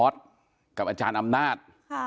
ออธกับออำนาจ